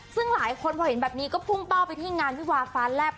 ซึ่งหลายคนพอเห็นแบบนี้ก็พุ่งเป้าไปที่งานวิวาฟ้าแลบ